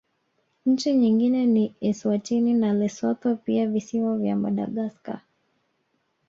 Nchi nyingine ni Eswatini na Lesotho pia Visiwa vya Madagaskar